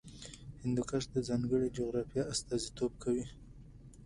هندوکش د ځانګړې جغرافیې استازیتوب کوي.